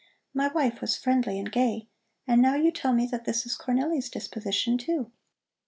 My wife was friendly and gay, and now you tell me that this is Cornelli's disposition, too."